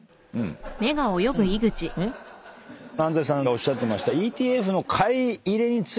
安斉さんがおっしゃってた。